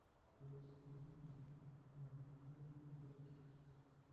لوستې میندې د ماشوم د ناروغۍ مخنیوی کوي.